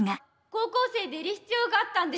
高校生でいる必要があったんです。